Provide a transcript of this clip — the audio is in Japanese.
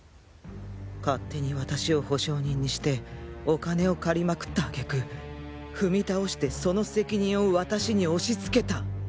勝手に私を保証人にしてお金を借りまくったあげく踏み倒してその責任を私に押しつけた。